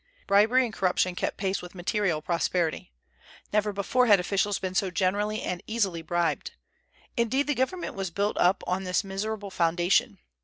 Bribery and corruption kept pace with material prosperity. Never before had officials been so generally and easily bribed. Indeed, the government was built up on this miserable foundation.